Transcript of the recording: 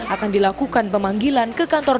akan dilakukan pemanggilan ke kantor